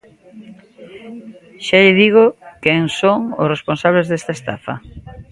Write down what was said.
Xa lle digo quen son os responsables desta estafa.